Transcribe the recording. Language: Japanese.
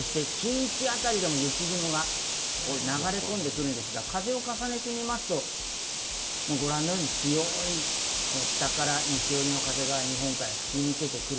そして近畿あたりでも雪雲が流れ込んでくるんですが、風を重ねてみますとご覧のように強い北から西寄りの風が日本海を吹き抜けてくる。